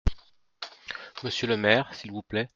Monsieur le maire, s’il vous plaît ?